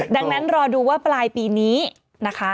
ดังนั้นรอดูว่าปลายปีนี้นะคะ